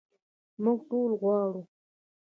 موږ ټول غواړو.